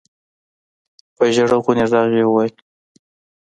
په ژړغوني غږ يې وويل.